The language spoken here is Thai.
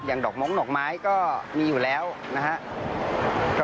อย่างดอกม้องหนกไม้ก็มีอยู่แล้วนะครับ